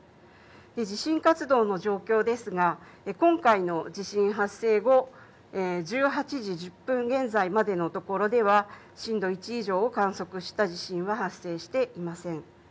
地震活動の状況ですが今回の地震発生後、１８時１０分現在までのところでは震度１以上を観測した地震は発生していません。